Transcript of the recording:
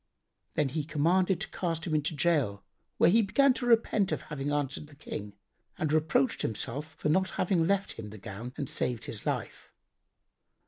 Then he commanded to cast him into gaol, where he began to repent of having answered the King and reproached himself for not having left him the gown and saved his life.